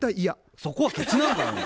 そこはケチなんかいな。